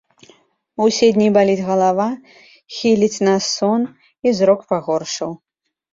Усе дні баліць галава, хіліць на сон, і зрок пагоршаў.